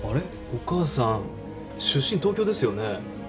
お母さん出身東京ですよね？